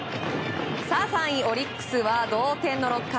３位、オリックスは同点の６回。